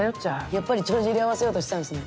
やっぱり帳尻合わせようとしてたんですね。